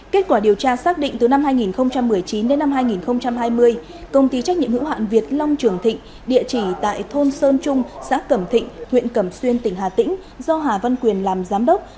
kết quả điều tra xác định từ năm hai nghìn một mươi chín đến năm hai nghìn hai mươi công ty trách nhiệm hữu hạn việt long trường thịnh địa chỉ tại thôn sơn trung xã cẩm thịnh huyện cẩm xuyên tỉnh hà tĩnh do hà văn quyền làm giám đốc